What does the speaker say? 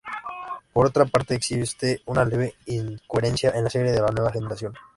Por otra parte, existe una leve incoherencia en la serie de La Nueva Generación.